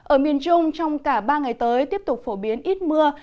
ở miền trung trong cả ba ngày tới tiếp tục phổ biến ít mưa